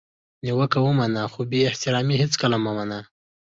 نیوکه ومنه خو بي احترامي هیڅکله مه منه!